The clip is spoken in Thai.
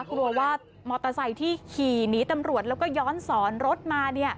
กลัวว่ามอเตอร์ไซค์ที่ขี่หนีตำรวจแล้วก็ย้อนสอนรถมา